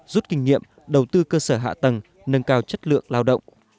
rút kinh nghiệm đầu tư cơ sở hạ tầng nâng cao chất lượng lao động